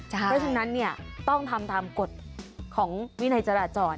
เพราะฉะนั้นต้องทำตามกฎของวินัยจราจร